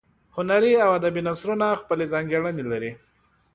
هنري او ادبي نثرونه خپلې ځانګړنې لري.